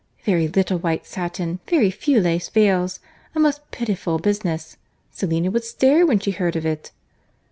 —"Very little white satin, very few lace veils; a most pitiful business!—Selina would stare when she heard of it."